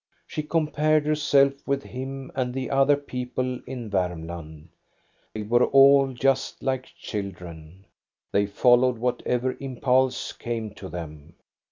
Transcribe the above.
She compared herself with him and the other people in Varmland. They were all just like children. They followed whatever impulse came to them.